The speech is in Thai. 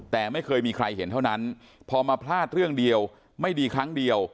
แต่ไม่เคยมีใครเห็นเท่านั้นพอมาพลาดเรื่องเดียวไม่ดีครั้งเดียว